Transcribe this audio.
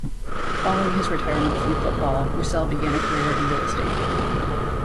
Following his retirement from football, Roussel began a career in real estate.